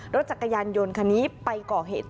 รถจักรยานยนต์คันนี้ไปก่อเหตุ